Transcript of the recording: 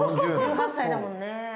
１８歳だもんね。